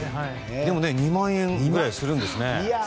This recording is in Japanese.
でも２万円ぐらいするんですね。